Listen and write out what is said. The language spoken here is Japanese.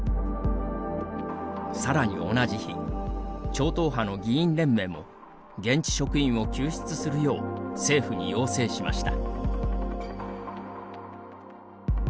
さらに同じ日超党派の議員連盟も現地職員を救出するよう政府に要請しました。